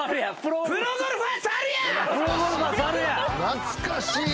懐かしい。